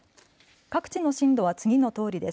各地の震度は次のとおりです。